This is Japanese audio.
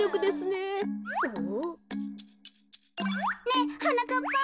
ねえはなかっぱ！